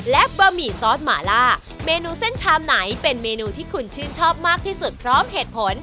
และบะหมี่ซอสหมาล่าเมนูเส้นชามไหนเป็นเมนูที่คุณชื่นชอบมากที่สุดพร้อมเหตุผล